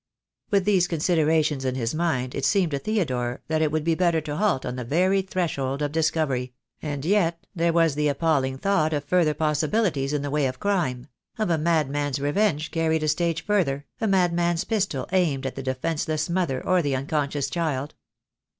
With these considerations in his mind it seemed to Theodore that it would be better to halt on the very thres hold of discovery; and yet there was the appalling thought 94 THE DAY WILL COME. of further possibilities in the way of crime — of a madman's revenge carried a stage further, a madman's pistol aimed at the defenceless mother or the unconscious child.